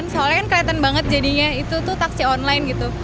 soalnya kan kelihatan banget jadinya itu tuh taksi online gitu